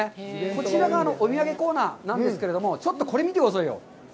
こちらがお土産コーナーなんですけれども、ちょっとこれ見てくださいよ。